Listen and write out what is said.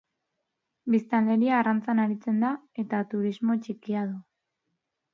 Biztanleria arrantzan aritzen da eta turismo txikia du.